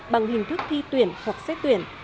bằng hình thức thi tuyển hoặc xét tuyển